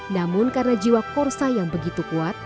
namun karena jiwa korsa yang begitu kuat